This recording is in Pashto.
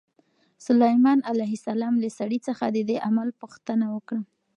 سلیمان علیه السلام له سړي څخه د دې عمل پوښتنه وکړه.